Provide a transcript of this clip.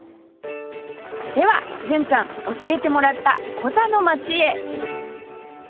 では純ちゃん教えてもらったコザの街へ